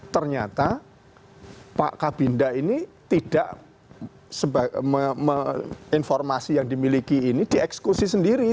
ternyata pak kabinda ini tidak informasi yang dimiliki ini dieksekusi sendiri